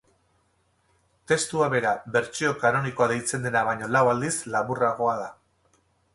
Testua bera bertsio kanonikoa deitzen dena baino lau aldiz laburragoa da.